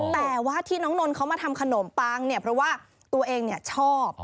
แต่ว่าที่น้องนนท์เขามาทำขนมปังเนี่ยเพราะว่าตัวเองชอบ